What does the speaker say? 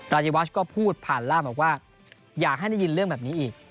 รายวัชก็พูดผ่านร่ามบอกว่าอยากให้ได้ยินเรื่องแบบนี้อีก